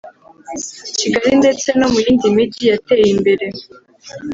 Kigali ndetse no mu yindi migi yateye imbere